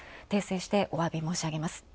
訂正してお詫び申し上げます。